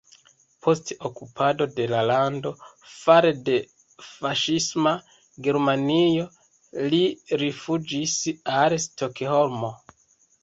Post okupado de la lando fare de faŝisma Germanio li rifuĝis al Stokholmo.